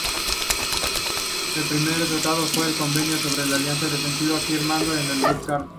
El primer tratado fue el "Convenio sobre una alianza defensiva", firmado el en Bucarest.